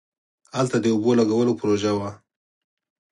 هلته د اوبو لگولو پروژه وه.